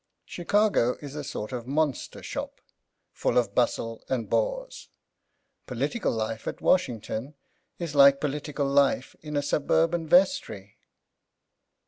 Chicago is a sort of monster shop, full of bustle and bores. Political life at Washington is like political life in a suburban vestry.